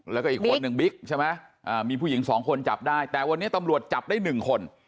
แล้วก็อีกคนหนึ่งบิ๊กใช่ไหมมีผู้หญิงสองคนจับได้แต่วันนี้ตำรวจจับได้๑คน